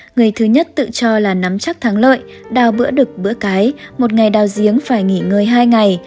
người thứ nhất tự cho là nắm chắc thắng lợi đào bữa đực bữa cái một ngày đào giếng phải nghỉ ngơi hai ngày